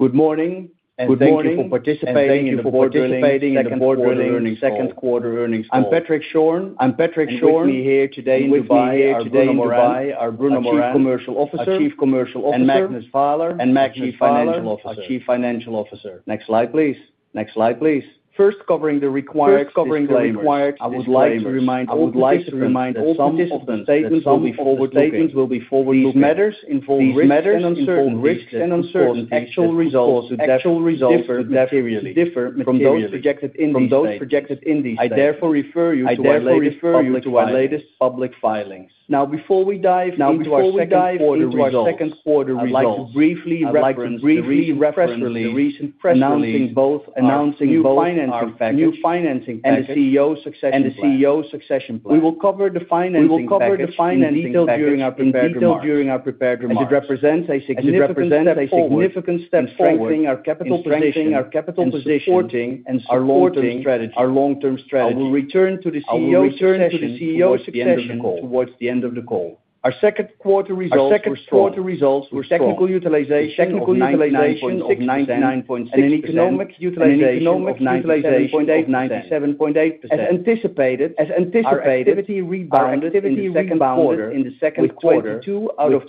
Good morning, and thank you for participating in the Borr Drilling Second Quarter Earnings Cal. I'm Patrick Schorn, meeting today in Dubai. With me here today in Dubai are Bruno Morand, Chief Commercial Officer, and Magnus Vaaler, Chief Financial Officer. Next slide, please. First, covering the required claims. I would like to remind all participants that some of the statements we will be forwarding looking. These matters involve risks and uncertainties that could cause actual results differ materially from those projected in these statements. I therefore refer you to our latest public filing. Now, before we dive into the second quarter results, I'd like to briefly reference the recent announcing both new financing plans and the CEO succession plan. We will cover the financing package in detail during our prepared review, as it represents a significant step towards our long-term strategy. I will return to the CEO succession call towards the end of the call. Our second quarter results were strong with technical utilization 99.6% and economic utilization 97.8%. As anticipated, activity rebounded in the second quarter: 22 out of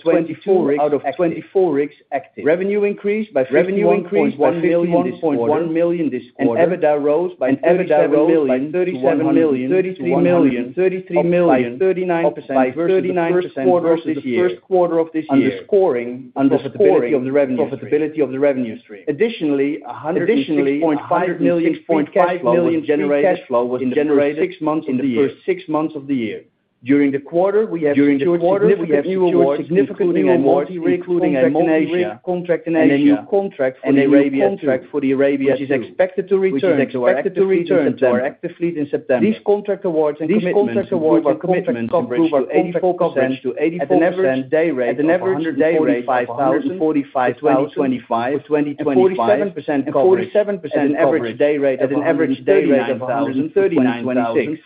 24 rigs active. Revenue increased by $51.1 million this quarter, and EBITDA rose by $37 million to $133 million, up by 39% vs for the first quarter of this year. underscoring the profitability of the revenue stream, additionally $106.5 million cash flow was generated in the first six months of the year. During the quarter, we have secured new awards including a multi-rig contract in Asia and a new contract in Arabia II. Contract for the Arabia is expected to return. We are expected to return 10 more active fleets in September. These contract awards include contract coverage of 84% at an average day rate of $145,000 for 2025, 47% coverage at an average day rate of $139,000 for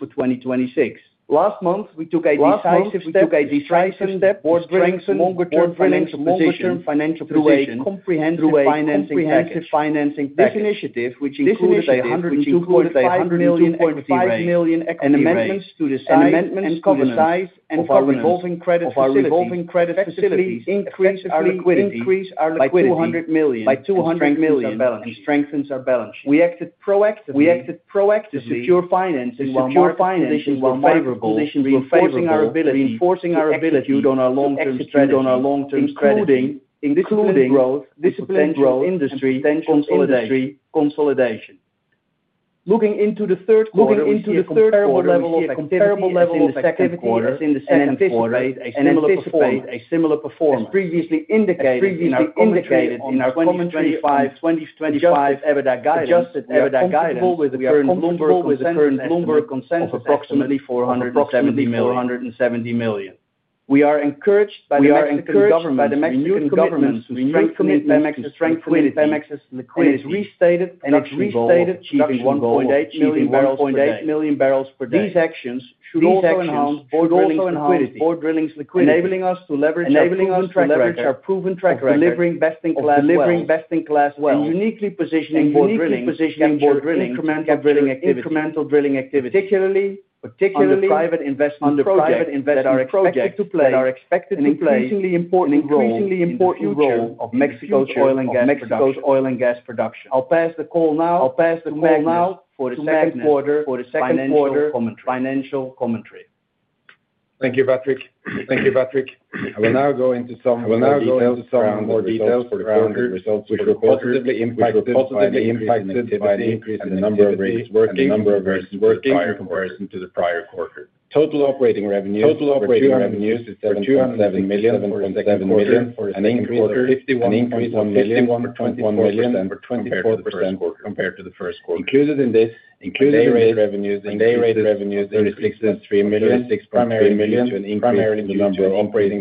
2026. Last month, we took a decisive decision to strengthen Borr Drilling's longer-term position, financial position, comprehensive financing plan. This initiative, which includes $102.5 million equity raise and amendments to the size and covenants of our revolving credit facilities effectively increases our liquidity by $200 million and strengthens our balance sheet. We acted proactively to secure financing while maintaining a favorable position, reinforcing our ability to build on our long-term strategy, including disciplined growth, disciplined growth, industry consolidation. Looking into the third quarter, we see a comparable levels of activity in the second quarter and anticipate a similar performance. Previously indicated in our commentary on adjusted 2025 EBITDA guidance, we are comfortable with the current Bloomberg consensus estimate of approximately $470 million. We are encouraged by the Mexican government renewed commitment to strengthening Pemex's liquidity and its restated production goal of achieving 1.8 million barrels per day. These actions show the strength of Borr Drilling's liquidity, enabling us to leverage our proven track record, delivering best-in-class wealth, uniquely positioning Borr Drilling activity, incremental drilling activity, particularly under private investments. Under private investments, we are expected to play an increasingly important role of Mexico's oil and gas production. I'll pass the call now to Magnus for the second quarter financial commentary. Thank you, Patrick. I will now go into some more details around the results for the quarter, which were positively impacted by an increase in activity and the number of rigs working in comparison to the prior quarter. Total operating revenues were $267.7 million for the second quarter, an increase of $51.1 million or 24% compared to the first quarter. Included in this, our day rate revenues increases of $36.3 million, primarily due to an increase in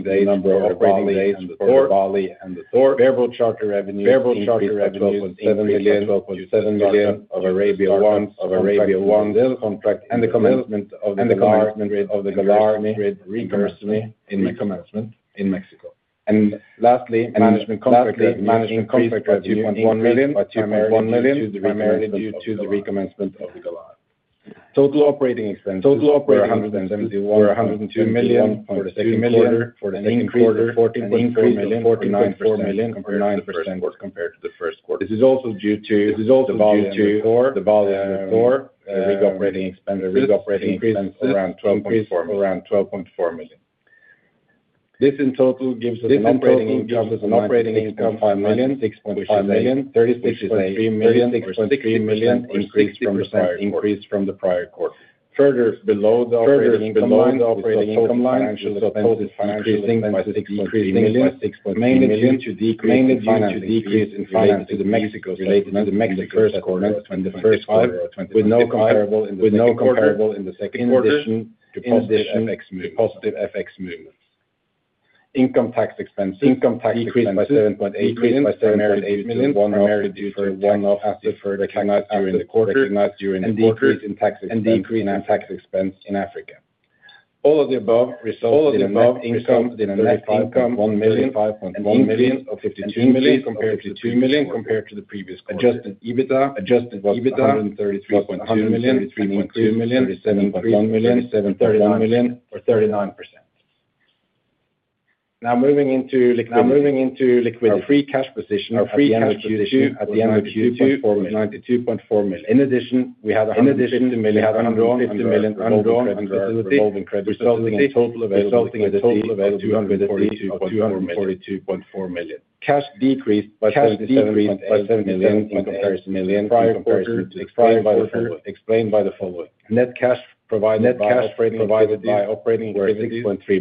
the number of operating days for the Vale and the Tor. Bareboat charter revenues increased by $12.7 million due to the start-up of Arabia I's contract in Brazil and the commencement of the Galar Grid and Gersemi recommencement in Mexico. And lastly, management contract revenue increased by $2.1 million, primarily due to the recommencement of the Galar. Total operating expenses were $171.2 million for the second quarter, an increase of $14.4 million or 9% compared to the first quarter. This is also due to the Vale and the Tor rig operating expenses increase of around $12.4 million. This in total gives us an operating income of $96.5 million, $36.3 million, or $60% increase from the prior quarter. Further below the operating income line, we saw total financial expenses decreasing by $6.3 million, mainly due to a decrease in financing fees related to the Mexico settlements in the first quarter and the first quarter with no comparable in the second quarter in addition to positive FX movements. Income tax expenses decreased by $7.8 million, primarily due to a one-off deferred tax asset recognized during the quarter and decrease in tax expense in Africa. All of the above resulted, in a net income $35.1 million, an increase of $52 million compared to previous quarter. Adjusted EBITDA was $133.2 million, an increase of $37.1 million or 39%. Now moving into liquidity. Free cash position, free cash position at the end of Q2 was $92.4 million. In addition, we had $150 million undrawn under our revolving credit facility, resulting in total available liquidity of $242.4 million. Cash decreased by $77.8 million compared to the prior quarter explained by the following. Net cash provided by operating was $6.3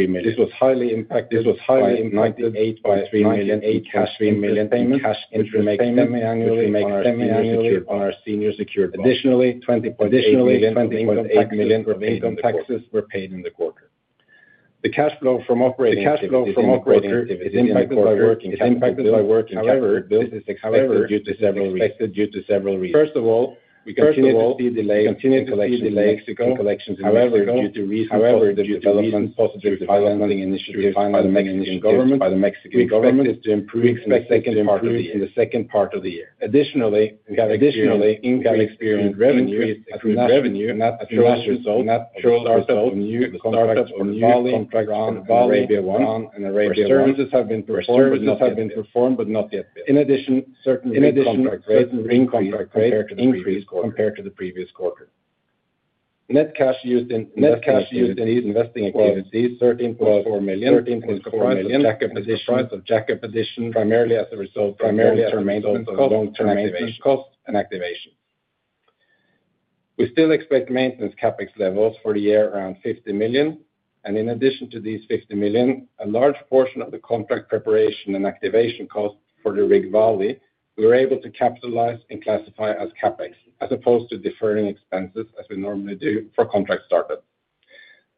million. This was highly impacted by $98.3 million in cash cash interest payments, which we make semiannually on our senior secured bonds. Additionally, $20.8 million income taxes were paid in the quarter. The cash flow from operating activities impacted by working hours, however, due to several reasons. First of all, we continue to see delays in collections in Mexico, however, due to recent positive developments through financing initiatives by the Mexican government, we expect this to improve in the second part of the year. Additionally, we have experienced increased accrued revenue as a natural result of the start-up of new contracts for the Vale, Ran and Arabia I. Services have been performed but not yet built. In addition, certain new contract rates and new contract rates increased compared to the previous quarter. Net cash used in net used in these investing activities, $13.4 million and is comprised of jack-up additions primarily as a result of long-term maintenance costs and activations We still expect maintenance CapEx levels for the year around $50 million. In addition to these $50 million, a large portion of the contract preparation and activation costs for the rig Valley, we were able to capitalize and classify as CapEx as opposed to deferring expenses as we normally do for contract startups.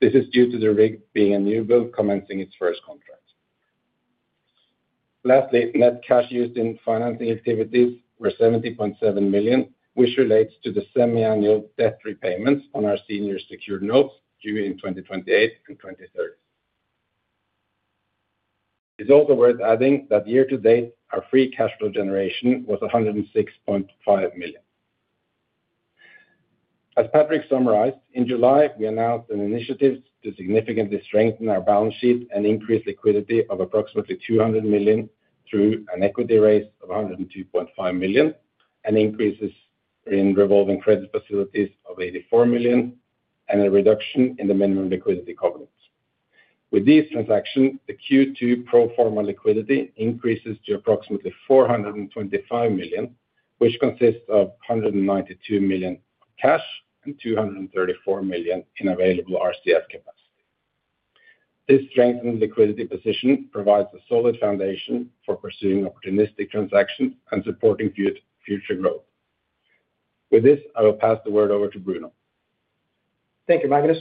This is due to the rig being a new build commencing its first contract. Lastly, net cash used in financing activities were $70.7 million, which relates to the semi-annual debt repayments on our senior secured notes due in 2028 and 2030. It's also worth adding that year-to-date, our free cash flow generation was $106.5 million. As Patrick summarized, in July, we announced an initiative to significantly strengthen our balance sheet and increase liquidity of approximately $200 million through an equity raise of $102.5 million and increases in revolving credit facilities of $84 million and a reduction in the minimum liquidity covenants. With these transactions, the Q2 pro forma liquidity increases to approximately $425 million, which consists of $192 million cash and $234 million in available RCF capacity. This strengthened liquidity position provides a solid foundation for pursuing opportunistic transactions and supporting future growth. With this, I will pass the word over to Bruno. Thank you, Magnus.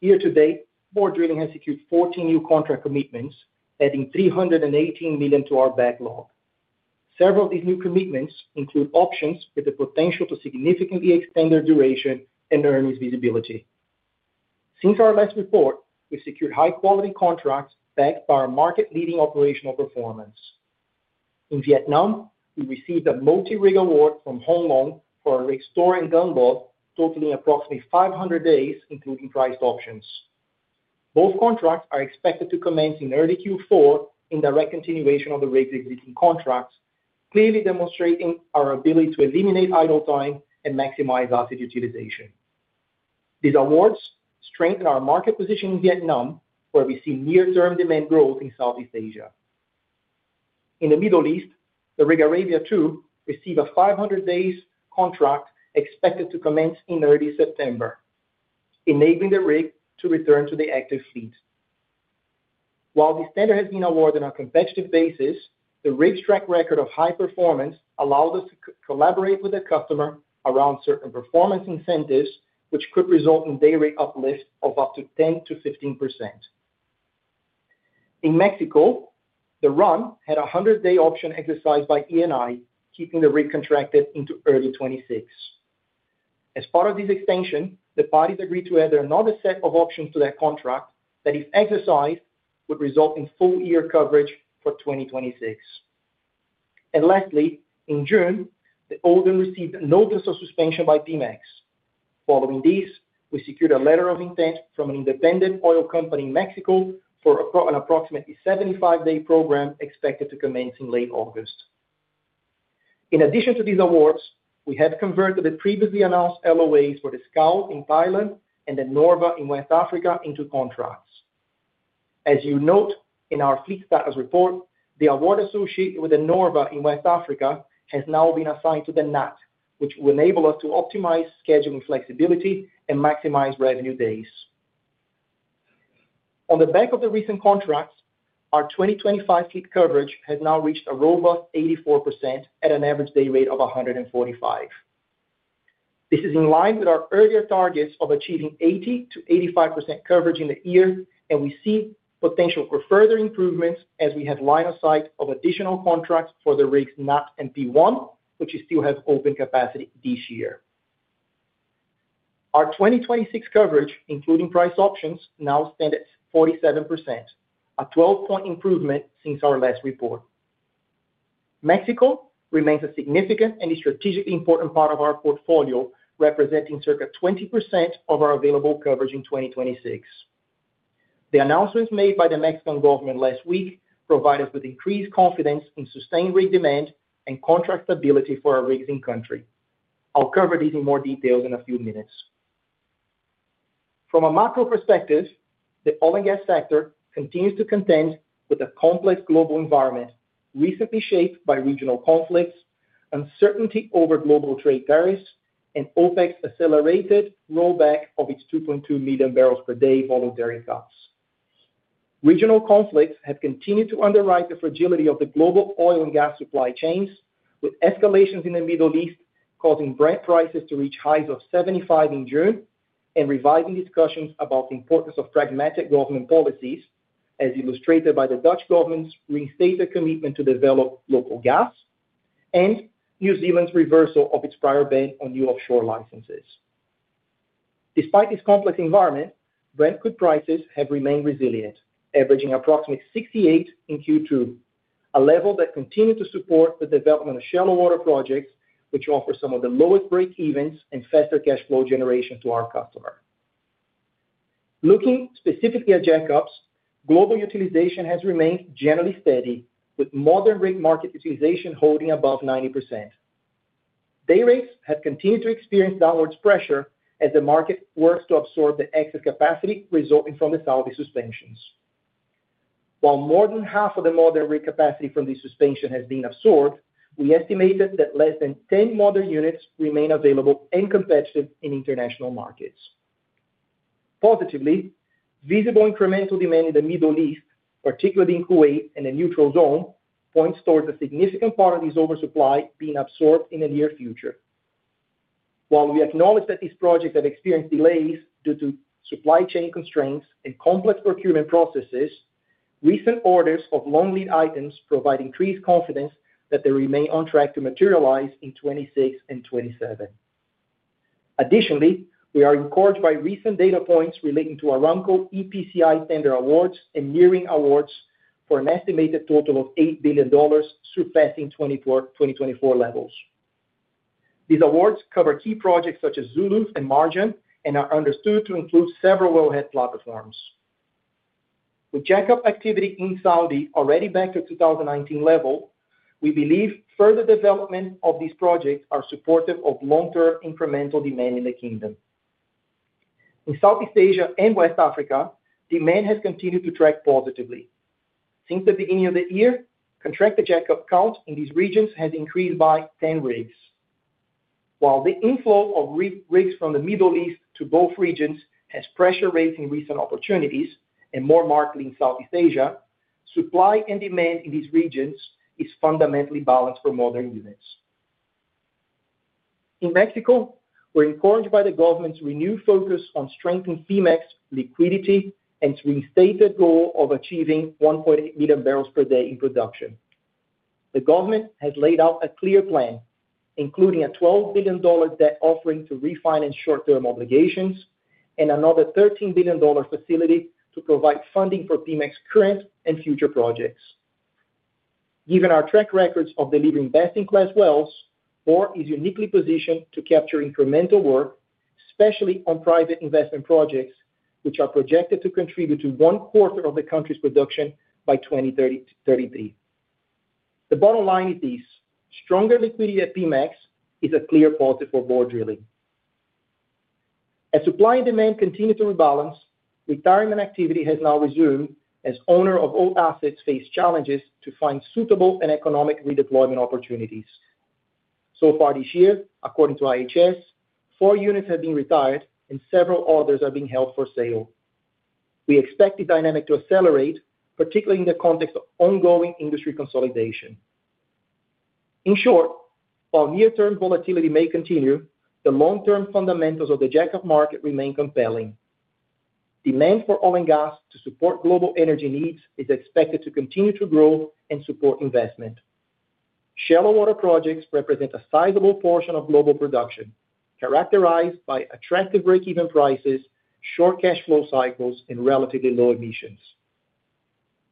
Year-to-date, Borr Drilling has secured 14 new contract commitments, adding $318 million to our backlog. Several of these new commitments include options with the potential to significantly extend their duration and earnings visibility. Since our last report, we've secured high-quality contracts backed by our market-leading operational performance. In Vietnam, we received a multi-rig award from Hong Long for our exploring gunboat, totaling approximately 500 days, including priced options. Both contracts are expected to commence in early Q4 in direct continuation of the rig's existing contracts, clearly demonstrating our ability to eliminate idle time and maximize asset utilization. These awards strengthen our market position in Vietnam, where we see near-term demand growth in Southeast Asia. In the Middle East, the rig Arabia II received a 500 days contract expected to commence in early September, enabling the rig to return to the active fleet. While the standard has been awarded on a competitive basis, the rig's track record of high performance allows us to collaborate with the customer around certain performance incentives, which could result in day rate uplift of up to 10%-15%. In Mexico, the run had a 100-day option exercised by ENI, keeping the rig contracted into early 2026. As part of this extension, the parties agreed to add another set of options to that contract that, if exercised, would result in full year coverage for 2026. Lastly, in June, the Odin received an order for suspension by Pemex. Following this, we secured a letter of intent from an independent oil company in Mexico for an approximately 75-day program expected to commence in late August. In addition to these awards, we have converted the previously announced LOAs for the SCAL in Thailand and the Norve in West Africa into contracts. As you note in our fleet status report, the award associated with the Norve in West Africa has now been assigned to the Natt, which will enable us to optimize scheduling flexibility and maximize revenue days. On the back of the recent contracts, our 2025 fleet coverage has now reached a robust 84% at an average day rate of 145. This is in line with our earlier targets of achieving 80%-85% coverage in the year, and we see potential for further improvements as we have line of sight of additional contracts for the rigs Natt and P1, which still have open capacity this year. Our 2026 coverage, including price options, now stands at 47%, a 12-point improvement since our last report. Mexico remains a significant and strategically important part of our portfolio, representing circa 20% of our available coverage in 2026. The announcements made by the Mexican government last week provide us with increased confidence in sustained rig demand and contract stability for our rigs in country. I'll cover these in more detail in a few minutes. From a macro perspective, the oil and gas sector continues to contend with a complex global environment recently shaped by regional conflicts, uncertainty over global trade tariffs, and OPEC's accelerated rollback of its 2.2 million barrels per day voluntary cuts. Regional conflicts have continued to underwrite the fragility of the global oil and gas supply chains, with escalations in the Middle East causing Brent prices to reach highs of $75 in June and reviving discussions about the importance of pragmatic government policies, as illustrated by the Dutch government's restated commitment to develop local gas and New Zealand's reversal of its prior ban on new offshore licenses. Despite this complex environment, Brent crude prices have remained resilient, averaging approximately $68 in Q2, a level that continues to support the development of shallow water projects, which offer some of the lowest breakevens and faster cash flow generation to our customer. Looking specifically at jack-ups, global utilization has remained generally steady, with modern rig market utilization holding above 90%. Day rates have continued to experience downward pressure as the market works to absorb the excess capacity resulting from the Saudi suspensions. While more than half of the modern rig capacity from the suspension has been absorbed, we estimate that less than 10 modern units remain available and competitive in international markets. Positively, visible incremental demand in the Middle East, particularly in Kuwait and the neutral Zone, points towards a significant part of this oversupply being absorbed in the near future. While we acknowledge that these projects have experienced delays due to supply chain constraints and complex procurement processes, recent orders of long-lead items provide increased confidence that they remain on track to materialize in 2026 and 2027. Additionally, we are encouraged by recent data points relating to Aramco EPCI tender awards and nearing awards for an estimated total of $8 billion, surpassing 2024 levels. These awards cover key projects such as Zulu and margin and are understood to include several well-headed platforms. With jack-up activity in Saudi already back to 2019 level, we believe further development of these projects is supportive of long-term incremental demand in the kingdom. In Southeast Asia and West Africa, demand has continued to track positively. Since the beginning of the year, contracted jack-up count in these regions has increased by 10 rigs. While the inflow of rigs from the Middle East to both regions has pressure raised in recent opportunities and more markedly in Southeast Asia, supply and demand in these regions are fundamentally balanced for modern events. In Mexico, we're encouraged by the government's renewed focus on strengthening Pemex liquidity and its restated goal of achieving 1.8 million barrels per day in production. The government has laid out a clear plan, including a $12 billion debt offering to refinance short-term obligations and another $13 billion facility to provide funding for Pemex current and future projects. Given our track records of delivering best-in-class wells, Borr is uniquely positioned to capture incremental work, especially on private investment projects, which are projected to contribute to one quarter of the country's production by 2033. The bottom line is this: stronger liquidity at Pemex is a clear positive for Borr Drilling. As supply and demand continue to rebalance, retirement activity has now resumed as owners of old assets face challenges to find suitable and economic redeployment opportunities. So far this year, according to IHS, four units have been retired and several others are being held for sale. We expect the dynamic to accelerate, particularly in the context of ongoing industry consolidation. In short, while near-term volatility may continue, the long-term fundamentals of the jack-up market remain compelling. Demand for oil and gas to support global energy needs is expected to continue to grow and support investment. Shallow water projects represent a sizable portion of global production, characterized by attractive break-even prices, short cash flow cycles, and relatively low emissions.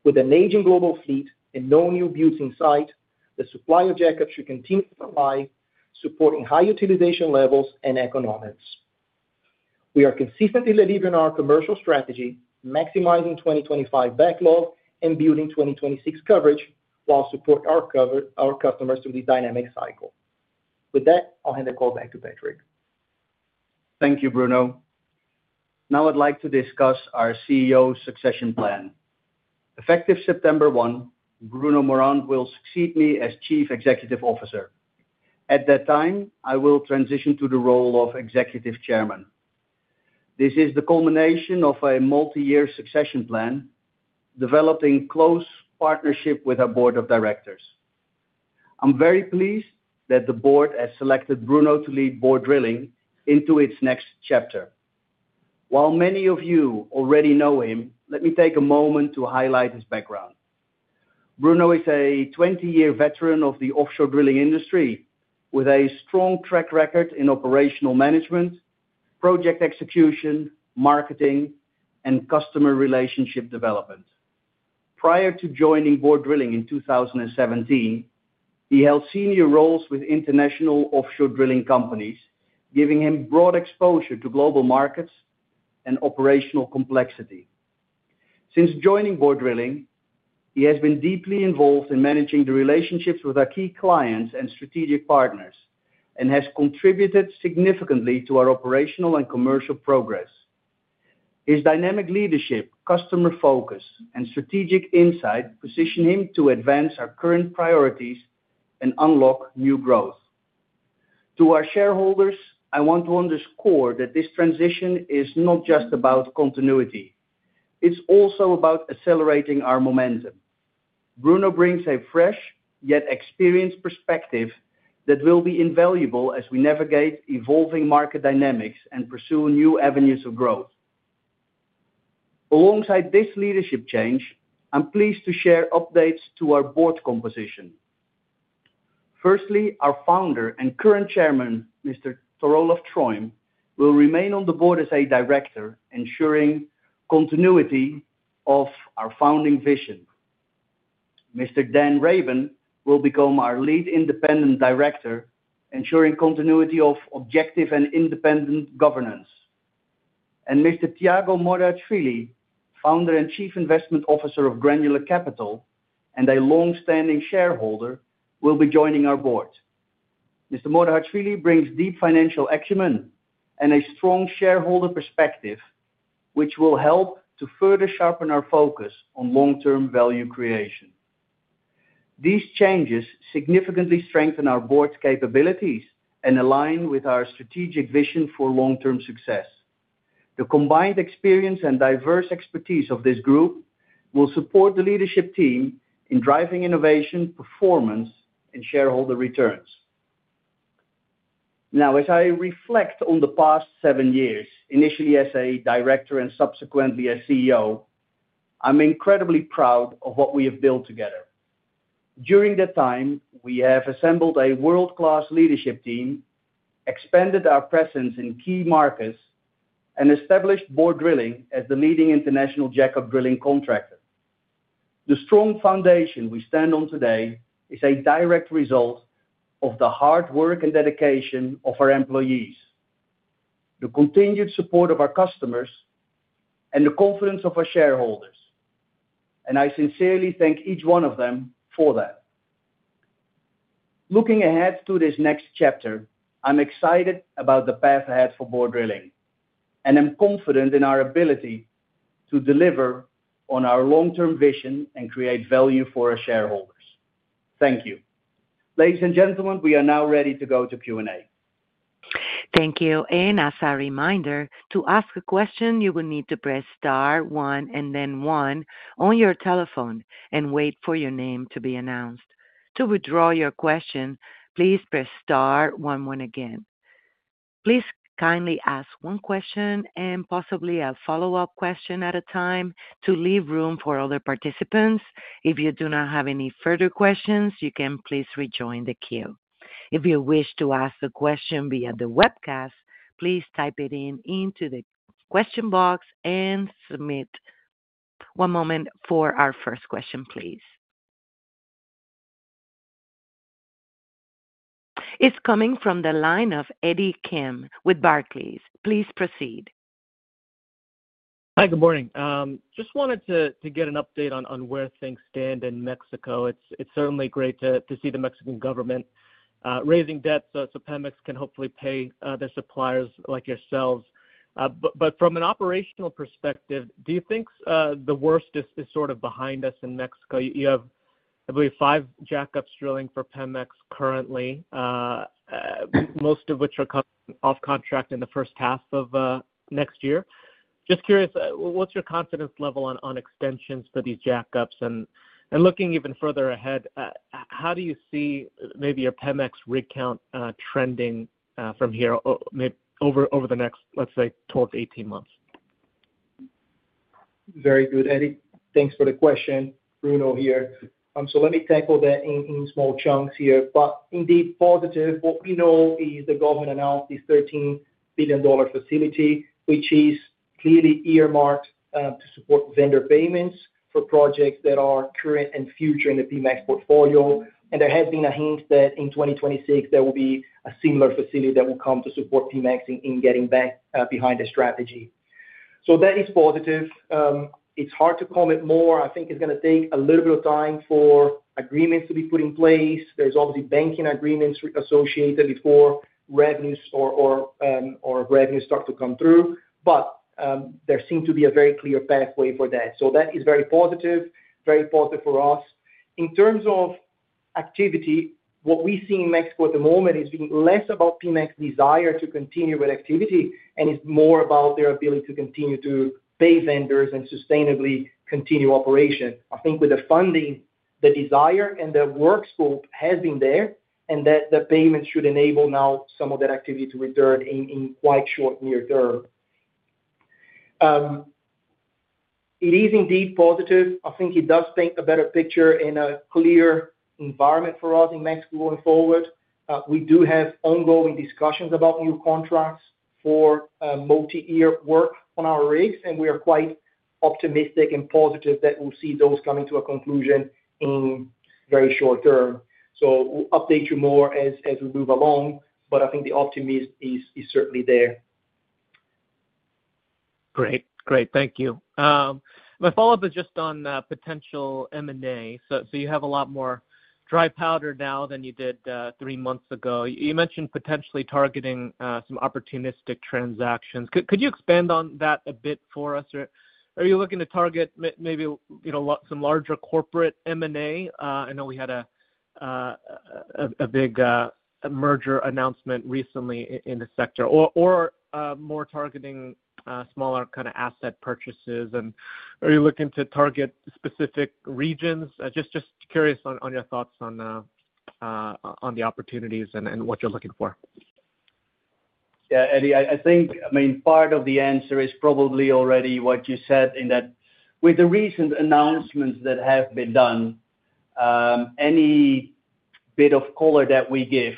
With an aging global fleet and no new builds in sight, the supply of jack-ups should continue to provide, supporting high utilization levels and economics. We are consistently delivering our commercial strategy, maximizing 2025 backlog and building 2026 coverage while supporting our customers through this dynamic cycle. With that, I'll hand the call back to Patrick. Thank you, Bruno. Now I'd like to discuss our CEO's succession plan. Effective September 1, Bruno Morand will succeed me as Chief Executive Officer. At that time, I will transition to the role of Executive Chairman. This is the culmination of a multi-year succession plan developed in close partnership with our Board of Directors. I'm very pleased that the Board has selected Bruno to lead Borr Drilling into its next chapter. While many of you already know him, let me take a moment to highlight his background. Bruno is a 20-year veteran of the offshore drilling industry with a strong track record in operational management, project execution, marketing, and customer relationship development. Prior to joining Borr Drilling in 2017, he held senior roles with international offshore drilling companies, giving him broad exposure to global markets and operational complexity. Since joining Borr Drilling, he has been deeply involved in managing the relationships with our key clients and strategic partners and has contributed significantly to our operational and commercial progress. His dynamic leadership, customer focus, and strategic insight position him to advance our current priorities and unlock new growth. To our shareholders, I want to underscore that this transition is not just about continuity; it's also about accelerating our momentum. Bruno brings a fresh yet experienced perspective that will be invaluable as we navigate evolving market dynamics and pursue new avenues of growth. Alongside this leadership change, I'm pleased to share updates to our Board composition. Firstly, our founder and current Chairman, Mr. Tor Olav Troim, will remain on the board as a Director, ensuring continuity of our founding vision. Mr. Dan Rabin will become our Lead Independent Director, ensuring continuity of objective and independent governance. Mr. Mr. Thiago Mordehachili, Founder and Chief Investment Officer of Granular Capital and a long-standing shareholder, will be joining our Board. Mr. Mordehachili brings deep financial acumen and a strong shareholder perspective, which will help to further sharpen our focus on long-term value creation. These changes significantly strengthen our board's capabilities and align with our strategic vision for long-term success. The combined experience and diverse expertise of this group will support the leadership team in driving innovation, performance, and shareholder returns. Now, as I reflect on the past seven years, initially as a Director and subsequently as CEO, I'm incredibly proud of what we have built together. During that time, we have assembled a world-class leadership team, expanded our presence in key markets, and established Borr Drilling as the leading international jack-up drilling contractor. The strong foundation we stand on today is a direct result of the hard work and dedication of our employees, the continued support of our customers, and the confidence of our shareholders. I sincerely thank each one of them for that. Looking ahead to this next chapter, I'm excited about the path ahead for Borr Drilling and am confident in our ability to deliver on our long-term vision and create value for our shareholders. Thank you. Ladies and gentlemen, we are now ready to go to Q&A. Thank you. As a reminder, to ask a question, you will need to press star one and then one on your telephone and wait for your name to be announced. To withdraw your question, please press star one one again. Please kindly ask one question and possibly a follow-up question at a time to leave room for other participants. If you do not have any further questions, you can please rejoin the queue. If you wish to ask a question via the webcast, please type it into the question box and submit. One moment for our first question, please. It's coming from the line of Eddie Kim with Barclays. Please proceed. Hi, good morning. Just wanted to get an update on where things stand in Mexico. It's certainly great to see the Mexican government raising debt so Pemex can hopefully pay their suppliers like yourselves. From an operational perspective, do you think the worst is sort of behind us in Mexico? You have, I believe, five jack-ups drilling for Pemex currently, most of which are coming off contract in the first half of next year. Just curious, what's your confidence level on extensions for these jack-ups? Looking even further ahead, how do you see maybe your Pemex rig count trending from here over the next, let's say, 12 to 18 months? Very good, Eddie. Thanks for the question, Bruno here. Let me tackle that in small chunks here. Indeed, positive, what we know is the government announced this $13 billion facility, which is clearly earmarked to support vendor payments for projects that are current and future in the Pemex portfolio. There has been a hint that in 2026, there will be a similar facility that will come to support Pemex in getting back behind the strategy. That is positive. It's hard to comment more. I think it's going to take a little bit of time for agreements to be put in place. There are obviously banking agreements associated before revenues start to come through. There seems to be a very clear pathway for that. That is very positive, very positive for us. In terms of activity, what we see in Mexico at the moment is less about Pemex's desire to continue with activity and is more about their ability to continue to pay vendors and sustainably continue operation. I think with the funding, the desire and the work scope has been there and that the payments should enable now some of that activity to return in quite short near term. It is indeed positive. I think it does paint a better picture and a clear environment for us in Mexico going forward. We do have ongoing discussions about new contracts for multi-year work on our rigs, and we are quite optimistic and positive that we'll see those coming to a conclusion in very short term. We'll update you more as we move along, but I think the optimism is certainly there. Great, great. Thank you. My follow-up is just on potential M&A. You have a lot more dry powder now than you did three months ago. You mentioned potentially targeting some opportunistic transactions. Could you expand on that a bit for us? Are you looking to target maybe some larger corporate M&A? I know we had a big merger announcement recently in the sector, or more targeting smaller kind of asset purchases. Are you looking to target specific regions? Just curious on your thoughts on the opportunities and what you're looking for. Yeah, Eddie, I think part of the answer is probably already what you said in that with the recent announcements that have been done, any bit of color that we give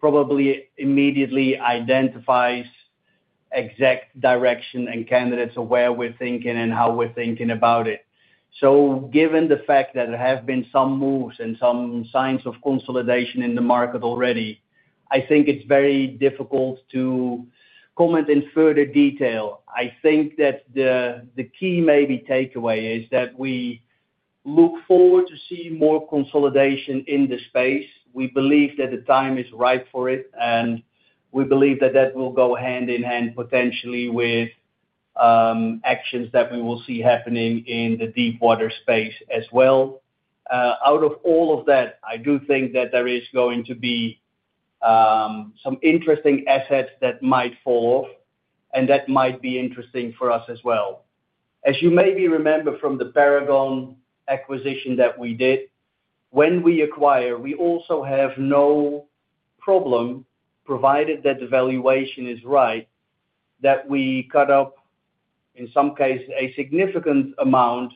probably immediately identifies exact direction and candidates of where we're thinking and how we're thinking about it. Given the fact that there have been some moves and some signs of consolidation in the market already, I think it's very difficult to comment in further detail. I think that the key maybe takeaway is that we look forward to seeing more consolidation in the space. We believe that the time is right for it, and we believe that that will go hand in hand potentially with actions that we will see happening in the deep water space as well. Out of all of that, I do think that there is going to be some interesting assets that might follow and that might be interesting for us as well. As you maybe remember from the Paragon acquisition that we did, when we acquire, we also have no problem, provided that the valuation is right, that we cut up, in some cases, a significant amount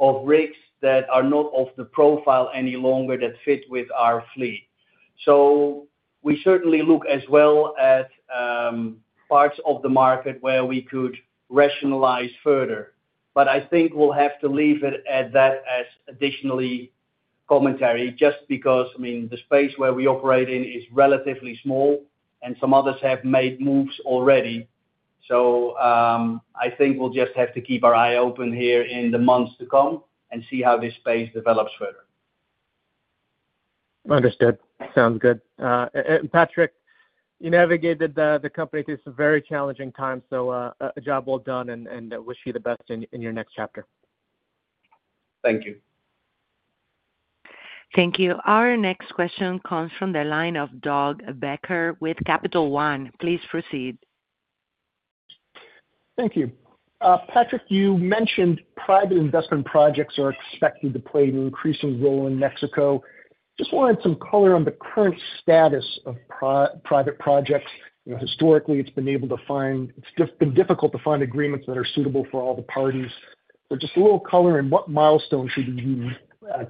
of rigs that are not off the profile any longer that fit with our fleet. We certainly look as well at parts of the market where we could rationalize further. I think we'll have to leave it at that as additional commentary just because the space where we operate in is relatively small and some others have made moves already. I think we'll just have to keep our eye open here in the months to come and see how this space develops further. Understood. Sounds good. Patrick, you navigated the company through some very challenging times, so a job well done and wish you the best in your next chapter. Thank you. Our next question comes from the line of Doug Becker with Capital One. Please proceed. Thank you. Patrick, you mentioned private investment projects are expected to play an increasing role in Mexico. Just wanted some color on the current status of private projects. Historically, it's been difficult to find agreements that are suitable for all the parties. Just a little color on what milestones should we be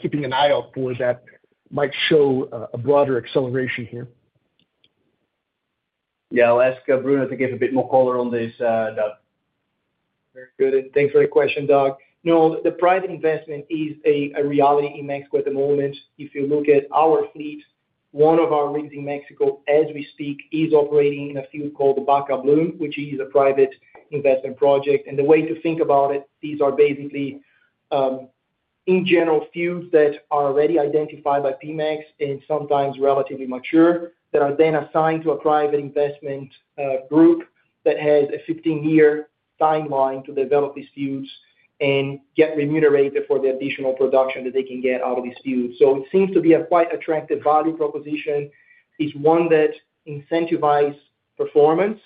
keeping an eye out for that might show a broader acceleration here. Yeah, I'll ask Bruno Morand to give a bit more color on this, Doug. Very good. Thanks for the question, Doug. No, the private investment is a reality in Mexico at the moment. If you look at our fleet, one of our rigs in Mexico, as we speak, is operating in a field called the Bacab-Lum, which is a private investment project. The way to think about it, these are basically in general fields that are already identified by Pemex and sometimes relatively mature that are then assigned to a private investment group that has a 15-year timeline to develop these fields and get remunerated for the additional production that they can get out of these fields. It seems to be a quite attractive value proposition. It's one that incentivizes performance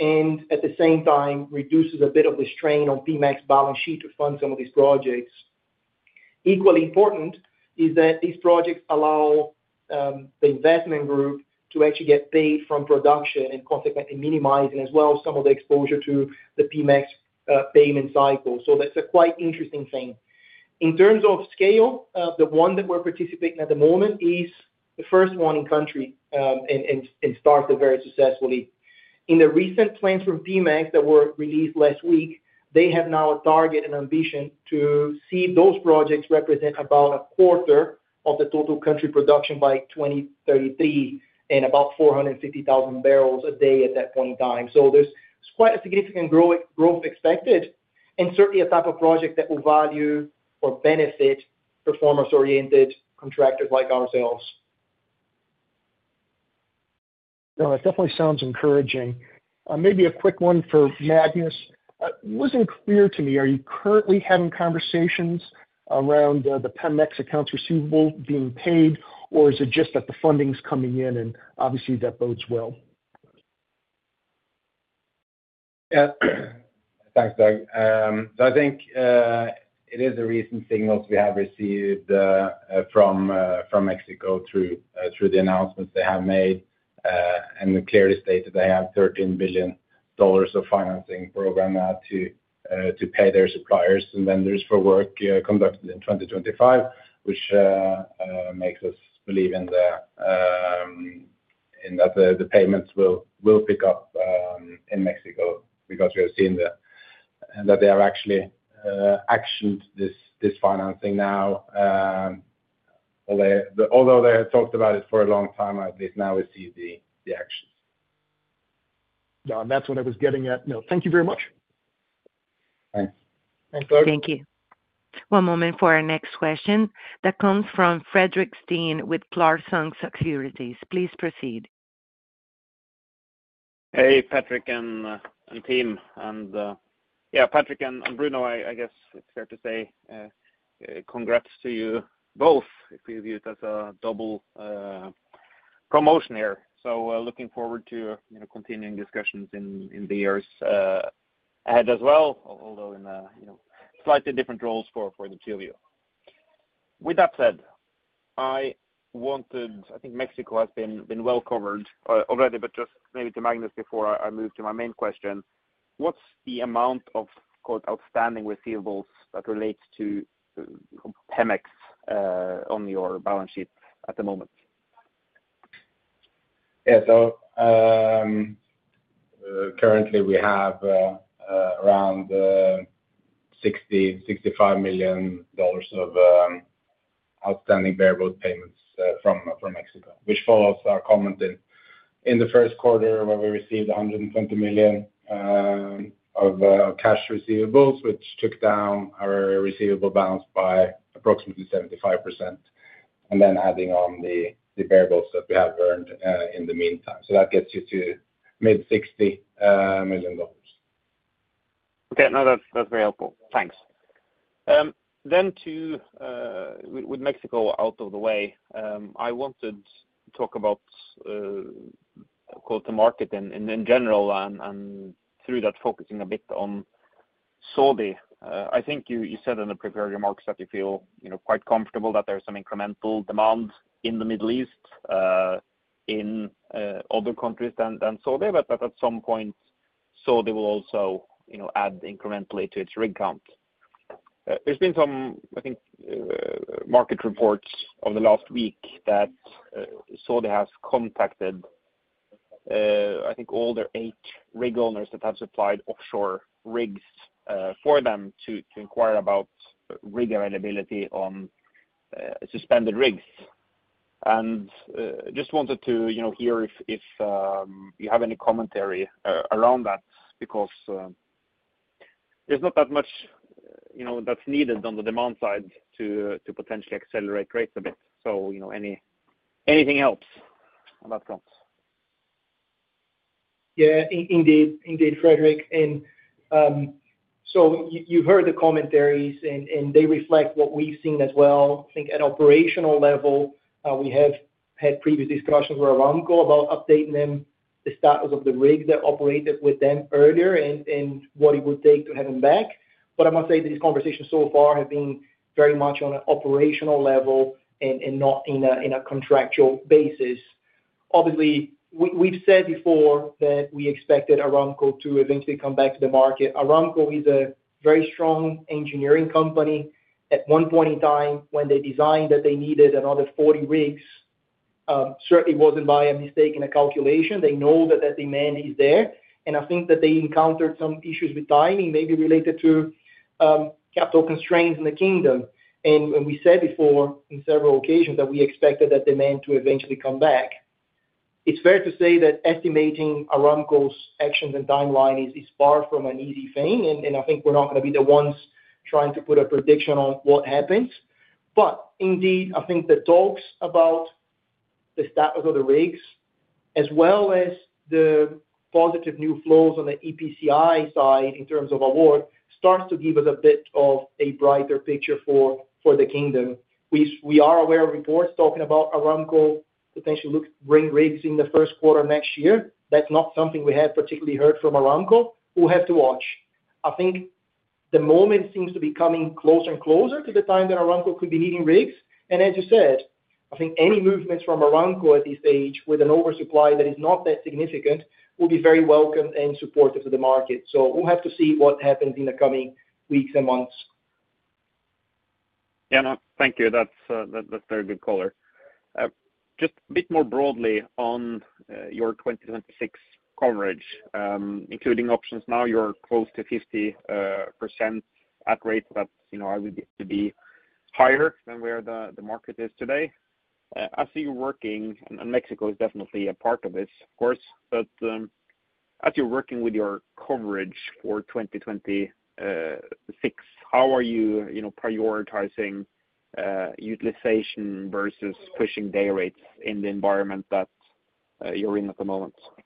and at the same time reduces a bit of the strain on Pemex's balance sheet to fund some of these projects. Equally important is that these projects allow the investment group to actually get paid from production and consequently minimize, as well, some of the exposure to the Pemex payment cycle. That's a quite interesting thing. In terms of scale, the one that we're participating in at the moment is the first one in the country and started very successfully. In the recent plans from Pemex that were released last week, they have now a target and ambition to see those projects represent about a quarter of the total country production by 2033 and about 450,000 barrels a day at that point in time. There's quite a significant growth expected and certainly a type of project that will value or benefit performance-oriented contractors like ourselves. No, that definitely sounds encouraging. Maybe a quick one for Magnus. It wasn't clear to me, are you currently having conversations around the Pemex accounts receivable being paid, or is it just that the funding's coming in and obviously that bodes well? Yeah, thanks, Doug. I think it is a recent signal that we have received from Mexico through the announcements they have made and the clearest data they have: $13 billion of financing program to pay their suppliers and vendors for work conducted in 2025, which makes us believe that the payments will pick up in Mexico because we have seen that they have actually actioned this financing now. Although they have talked about it for a long time, at least now we see the actions. Yeah, that's what I was getting at. No, thank you very much. Thank you. One moment for our next question. That comes from Frederic Steen with Clarkson Securities. Please proceed. Yeah, Patrick and Bruno, I guess it's fair to say, congrats to you both if you view it as a double promotion here. Looking forward to continuing discussions in the years ahead as well, although in slightly different roles for the two of you. With that said, I wanted, I think Mexico has been well covered already, but just maybe to Magnus before I move to my main question, what's the amount of "outstanding" receivables that relate to Pemex on your balance sheet at the moment? Yeah, so currently we have around $60 million, $65 million of outstanding payables payments from Mexico, which follows our comment in the first quarter where we received $120 million of cash receivables, which took down our receivable balance by approximately 75%, and then adding on the payables that we have earned in the meantime. That gets you to mid-$60 million. Okay, no, that's very helpful. Thanks. With Mexico out of the way, I wanted to talk about the market in general and through that focusing a bit on Saudi. I think you said in the prepared remarks that you feel quite comfortable that there's some incremental demand in the Middle East in other countries than Saudi, but that at some point Saudi will also add incrementally to its rig count. There have been some, I think, market reports over the last week that Saudi has contacted, I think, all their eight rig owners that have supplied offshore rigs for them to inquire about rig availability on suspended rigs. I just wanted to hear if you have any commentary around that because there's not that much that's needed on the demand side to potentially accelerate rates a bit. Anything else on that front? Yeah, indeed Frederic. You've heard the commentaries and they reflect what we've seen as well. I think at an operational level, we have had previous discussions with Aramco about updating them, the status of the rig that operated with them earlier and what it would take to have them back. I must say that these conversations so far have been very much on an operational level and not on a contractual basis. Obviously, we've said before that we expected Aramco to eventually come back to the market. Aramco is a very strong engineering company. At one point in time, when they decided that they needed another 40 rigs, it certainly wasn't by a mistake in a calculation. They know that demand is there. I think that they encountered some issues with timing, maybe related to capital constraints in the kingdom. We've said before on several occasions that we expected that demand to eventually come back. It's fair to say that estimating Aramco's actions and timeline is far from an easy thing. I think we're not going to be the ones trying to put a prediction on what happens. Indeed, I think the talks about the status of the rigs, as well as the positive news flows on the EPCI side in terms of award, start to give us a bit of a brighter picture for the kingdom. We are aware of reports talking about Aramco potentially looking to bring rigs in the first quarter next year. That's not something we had particularly heard from Aramco. We'll have to watch. I think the moment seems to be coming closer and closer to the time that Aramco could be needing rigs. As you said, I think any movements from Aramco at this stage with an oversupply that is not that significant will be very welcome and supportive to the market. We'll have to see what happens in the coming weeks and months. Yeah, no, thank you. That's very good color. Just a bit more broadly on your 2026 coverage, including options, now you're close to 50% at rates that you know I would be higher than where the market is today. As you're working, and Mexico is definitely a part of this, of course, but as you're working with your coverage for 2026, how are you prioritizing utilization versus pushing day rates in the environment that you're in at the moment? Yeah,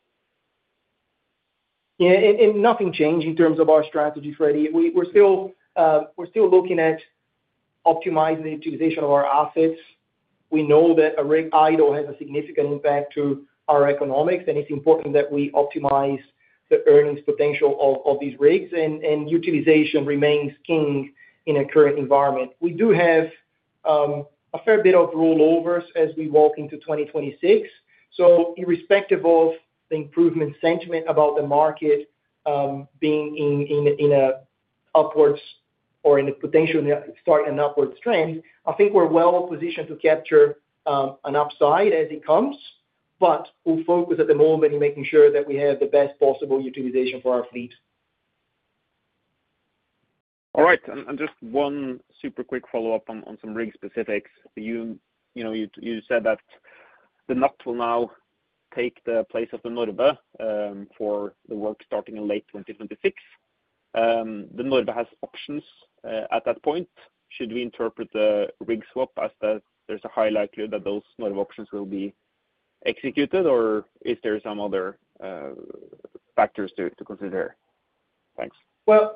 nothing changed in terms of our strategy, Freddie. We're still looking at optimizing the utilization of our assets. We know that a rig idle has a significant impact to our economics, and it's important that we optimize the earnings potential of these rigs, and utilization remains king in a current environment. We do have a fair bit of rollovers as we walk into 2026. Irrespective of the improvement sentiment about the market being in an upward trend, I think we're well in a position to capture an upside as it comes. We'll focus at the moment in making sure that we have the best possible utilization for our fleet. All right. Just one super quick follow-up on some rig specifics. You said that the Natt will now take the place of the Norve for the work starting in late 2026. The Norve has options at that point. Should we interpret the rig swap as that there's a high likelihood that those Norve options will be executed, or is there some other factors to consider? Thanks. I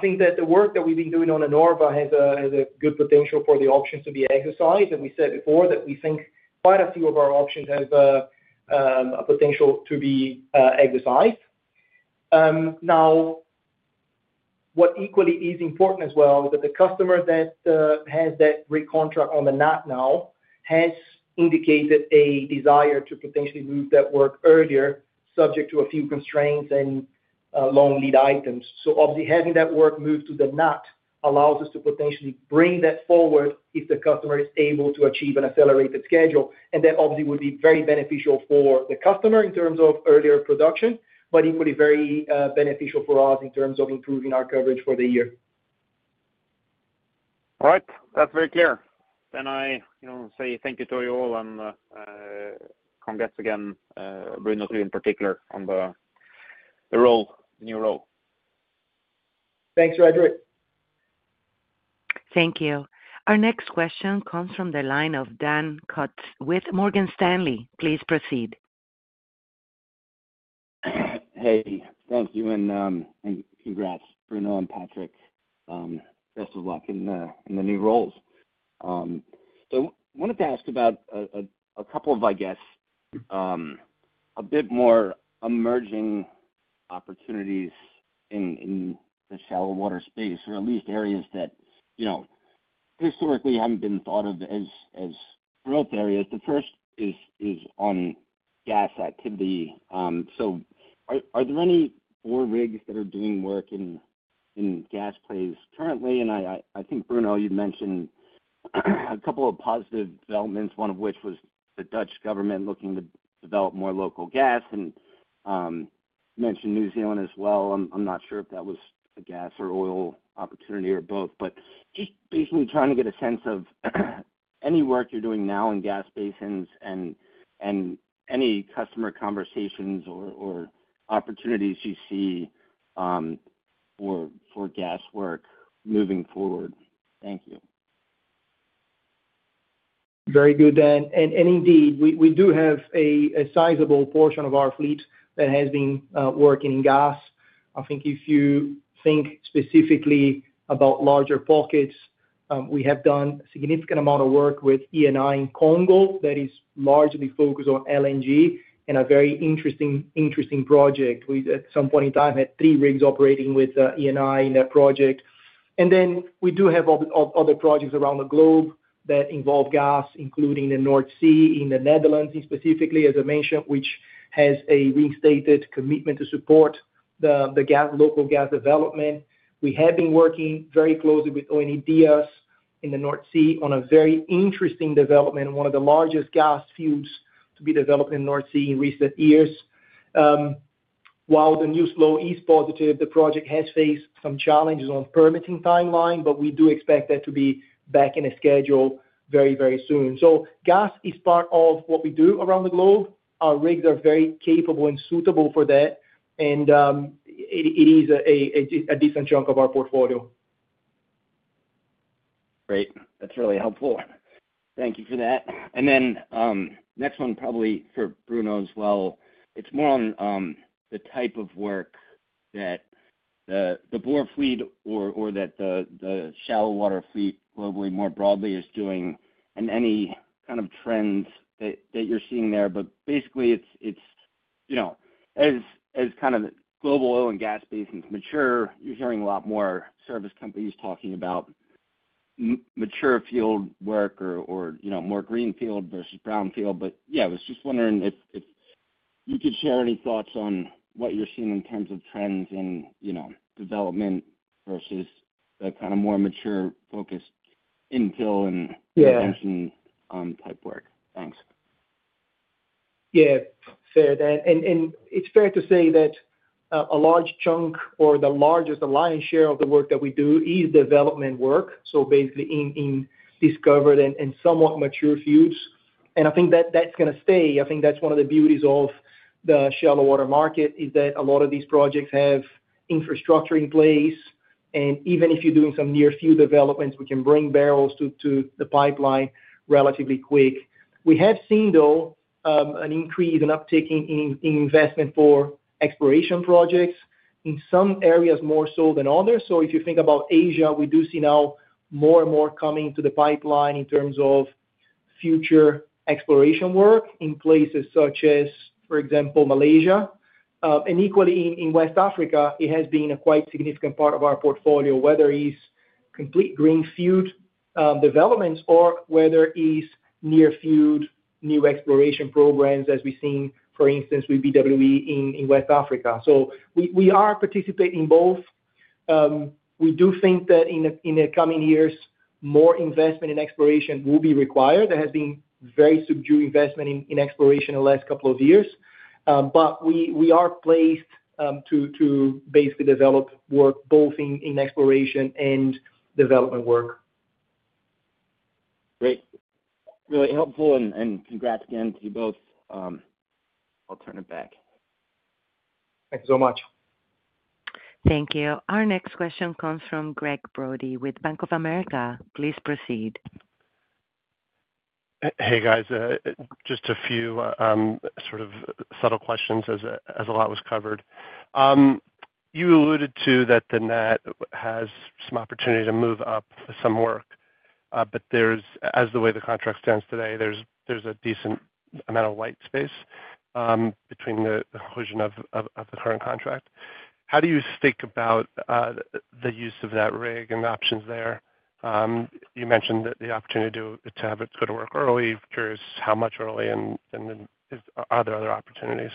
think that the work that we've been doing on the Norve has a good potential for the options to be exercised, and we said before that we think quite a few of our options have a potential to be exercised. What equally is important as well is that the customer that has that rig contract on the Natt now hence indicates a desire to potentially move that work earlier, subject to a few constraints and long lead items. Obviously, having that work moved to the Natt allows us to potentially bring that forward if the customer is able to achieve an accelerated schedule. That obviously would be very beneficial for the customer in terms of earlier production, but it would be very beneficial for us in terms of improving our coverage for the year. All right. That's very clear. I say thank you to you all and congrats again, Bruno too in particular, on the role, the new role. Our next question comes from the line of Dan Kutz with Morgan Stanley. Please proceed. Thank you and congrats, Bruno and Patrick. Best of luck in the new roles. I wanted to ask about a couple of, I guess, a bit more emerging opportunities in the shallow water space, or at least areas that, you know, historically haven't been thought of as growth areas. The first is on gas activity. Are there any more rigs that are doing work in gas plays currently? I think, Bruno, you mentioned a couple of positive developments, one of which was the Dutch government looking to develop more local gas. You mentioned New Zealand as well. I'm not sure if that was a gas or oil opportunity or both, but just basically trying to get a sense of any work you're doing now in gas basins and any customer conversations or opportunities you see for gas work moving forward. Thank you. Very good, Dan. Indeed, we do have a sizable portion of our fleet that has been working in gas. I think if you think specifically about larger pockets, we have done a significant amount of work with ENI in Congo that is largely focused on LNG and a very interesting project. At some point in time, we had three rigs operating with ENI in that project. We do have other projects around the globe that involve gas, including the North Sea in the Netherlands specifically, as I mentioned, which has a reinstated commitment to support the local gas development. We have been working very closely with ONE-Dyas in the North Sea on a very interesting development, one of the largest gas fields to be developed in the North Sea in recent years. While the news flow is positive, the project has faced some challenges on the permitting timeline, but we do expect that to be back on schedule very soon. Gas is part of what we do around the globe. Our rigs are very capable and suitable for that, and it is a decent chunk of our portfolio. Great. That's really helpful. Thank you for that. The next one, probably for Bruno as well, is more on the type of work that the bore fleet or that the shallow water fleet globally more broadly is doing and any kind of trends that you're seeing there. Basically, as global oil and gas basins mature, you're hearing a lot more service companies talking about mature field work or more greenfield versus brownfield. I was just wondering if you could share any thoughts on what you're seeing in terms of trends and development versus the kind of more mature focused infill and extension type work. Thanks. Yeah, fair, Dan. It's fair to say that a large chunk or the largest lion's share of the work that we do is development work, so basically in discovered and somewhat mature fields. I think that that's going to stay. I think that's one of the beauties of the shallow water market, that a lot of these projects have infrastructure in place. Even if you're doing some near-field developments, we can bring barrels to the pipeline relatively quick. We have seen, though, an increase in uptake in investment for exploration projects in some areas more so than others. If you think about Asia, we do see now more and more coming to the pipeline in terms of future exploration work in places such as, for example, Malaysia. Equally, in West Africa, it has been a quite significant part of our portfolio, whether it is complete greenfield developments or whether it is near-field new exploration programs as we've seen, for instance, with BWE in West Africa. We are participating in both. We do think that in the coming years, more investment in exploration will be required. There has been very subdued investment in exploration in the last couple of years. We are placed to basically develop work both in exploration and development work. Great. Really helpful. Congrats again to you both. I'll turn it back. Thank you so much. Thank you. Our next question comes from Gregg Brody with Bank of America. Please proceed. Hey, guys. Just a few sort of subtle questions as a lot was covered. You alluded to that the Natt has some opportunity to move up some work, but as the way the contract stands today, there's a decent amount of white space between the conclusion of the current contract. How do you think about the use of that rig and the options there? You mentioned the opportunity to have it go to work early. Curious, how much early and are there other opportunities?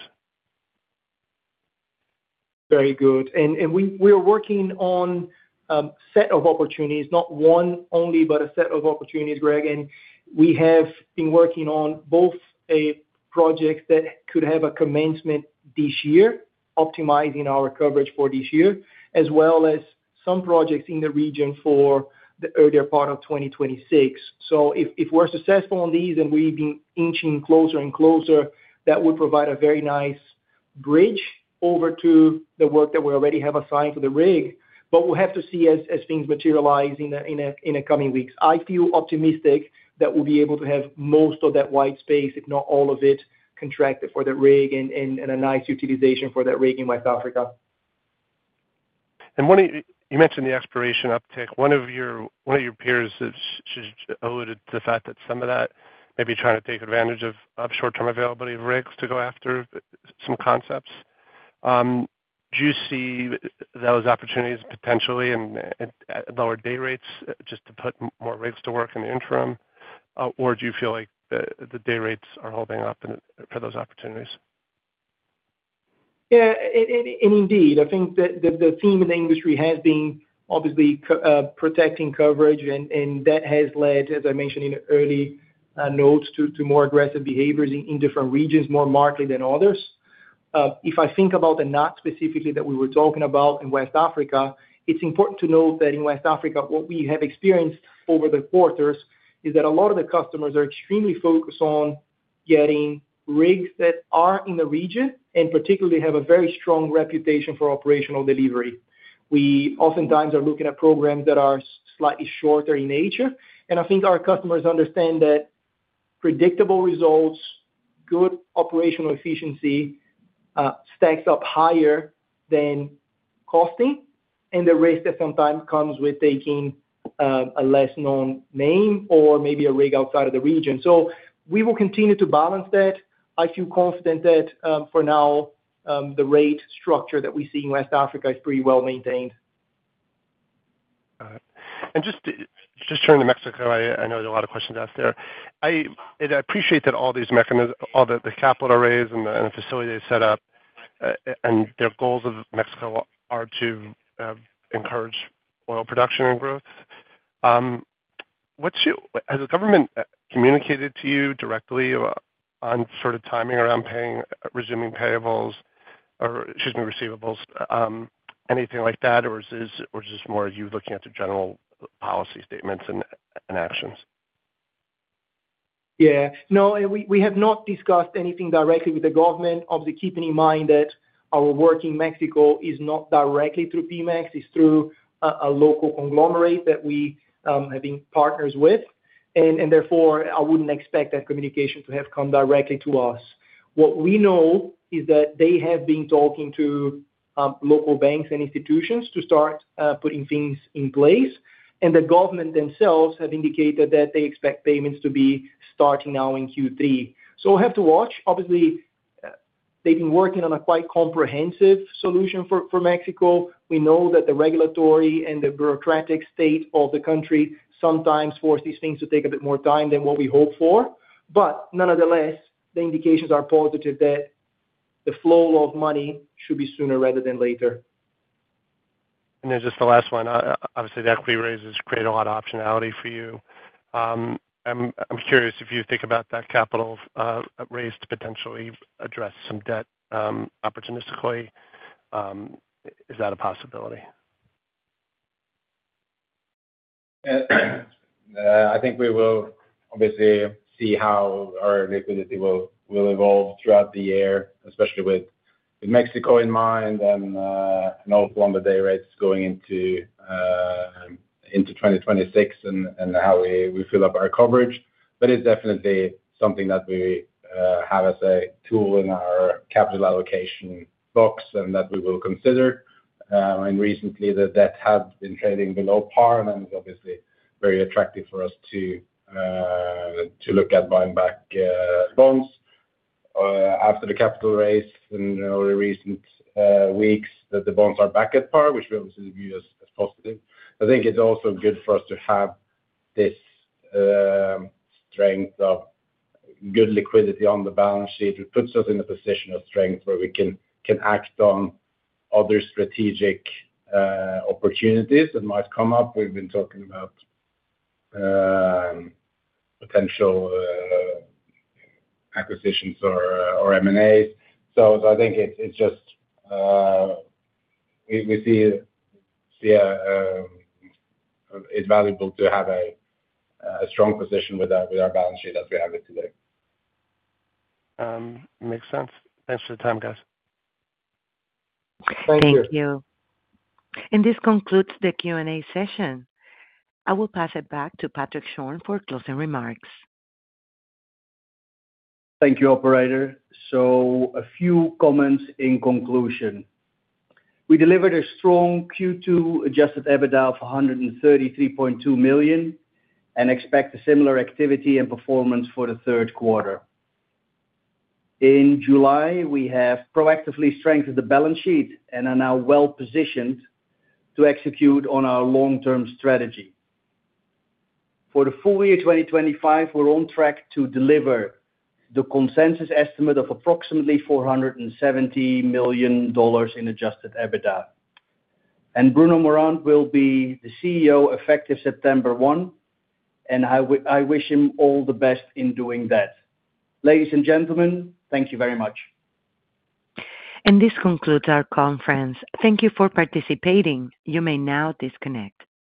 Very good. We are working on a set of opportunities, not one only, but a set of opportunities, Gregg. We have been working on both a project that could have a commencement this year, optimizing our coverage for this year, as well as some projects in the region for the earlier part of 2026. If we're successful on these and we've been inching closer and closer, that would provide a very nice bridge over to the work that we already have assigned for the rig. We'll have to see as things materialize in the coming weeks. I feel optimistic that we'll be able to have most of that white space, if not all of it, contracted for the rig and a nice utilization for that rig in West Africa. You mentioned the exploration uptick. One of your peers has alluded to the fact that some of that may be trying to take advantage of short-term availability of rigs to go after some concepts. Do you see those opportunities potentially in lower day rates just to put more rigs to work in the interim, or do you feel like the day rates are holding up for those opportunities? Yeah, and indeed, I think that the theme in the industry has been obviously protecting coverage, and that has led, as I mentioned in the early notes, to more aggressive behaviors in different regions, more markedly than others. If I think about the Natt specifically that we were talking about in West Africa, it's important to note that in West Africa, what we have experienced over the quarters is that a lot of the customers are extremely focused on getting rigs that are in the region and particularly have a very strong reputation for operational delivery. We oftentimes are looking at programs that are slightly shorter in nature. I think our customers understand that predictable results, good operational efficiency stacks up higher than costing and the risk that sometimes comes with taking a less known name or maybe a rig outside of the region. We will continue to balance that. I feel confident that for now, the rate structure that we see in West Africa is pretty well maintained. Got it. Just turning to Mexico, I know there are a lot of questions asked there. I appreciate that all these, all the capital raise and the facility they've set up and the goals of Mexico are to encourage oil production and growth. Has the government communicated to you directly on timing around paying, resuming payables or, excuse me, receivables, anything like that, or is this more of you looking at the general policy statements and actions? Yeah, no, we have not discussed anything directly with the government. Obviously, keeping in mind that our work in Mexico is not directly through Pemex, it's through a local conglomerate that we have been partners with. Therefore, I wouldn't expect that communication to have come directly to us. What we know is that they have been talking to local banks and institutions to start putting things in place. The government themselves have indicated that they expect payments to be starting now in Q3. We'll have to watch. Obviously, they've been working on a quite comprehensive solution for Mexico. We know that the regulatory and the bureaucratic state of the country sometimes force these things to take a bit more time than what we hope for. Nonetheless, the indications are positive that the flow of money should be sooner rather than later. The equity raises create a lot of optionality for you. I'm curious if you think about that capital raise to potentially address some debt opportunistically. Is that a possibility? I think we will obviously see how our liquidity will evolve throughout the year, especially with Mexico in mind and no plumber day rates going into 2026 and how we fill up our coverage. It's definitely something that we have as a tool in our capital allocation box and that we will consider. Recently, the debt had been trading below par, and that was obviously very attractive for us to look at buying back bonds. After the capital raise in the recent weeks, the bonds are back at par, which we obviously view as positive. I think it's also good for us to have this strength of good liquidity on the balance sheet, which puts us in a position of strength where we can act on other strategic opportunities that might come up. We've been talking about potential acquisitions or M&As. I think it's just we see it's valuable to have a strong position with our balance sheet as we have it today. Thank you. This concludes the Q&A session. I will pass it back to Patrick Schorn for closing remarks. Thank you, operator. A few comments in conclusion. We delivered a strong Q2 adjusted EBITDA of $133.2 million and expect similar activity and performance for the third quarter. In July, we have proactively strengthened the balance sheet and are now well-positioned to execute on our long-term strategy. For the full year 2025, we're on track to deliver the consensus estimate of approximately $470 million in adjusted EBITDA. Bruno Morand will be the CEO effective September 1, and I wish him all the best in doing that. Ladies and gentlemen, thank you very much. This concludes our conference. Thank you for participating. You may now disconnect.